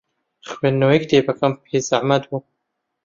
خوێندنەوەی کتێبەکەم پێ زەحمەت بوو.